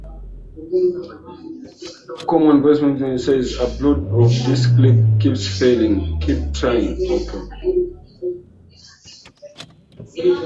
Walitoa barua kwa upinzani wakisema wanahitaji muda kujiandaa ili kuhakikisha kunakuwepo Amani kwenye mkutano huo